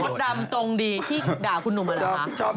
ชอบคุณมดดำตรงดีที่ด่าคุณหนุ่มมาแล้ว